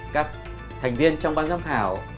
các thành viên trong ban giám khảo